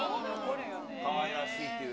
かわいらしいっていう。